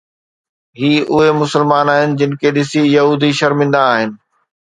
هي اهي مسلمان آهن جن کي ڏسي يهودي شرمندا آهن